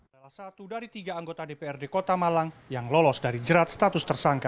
adalah satu dari tiga anggota dprd kota malang yang lolos dari jerat status tersangka